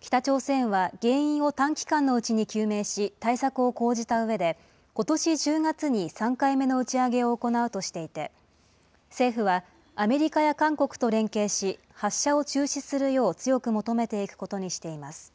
北朝鮮は原因を短期間のうちに究明し、対策を講じたうえで、ことし１０月に３回目の打ち上げを行うとしていて、政府は、アメリカや韓国と連携し、発射を中止するよう強く求めていくことにしています。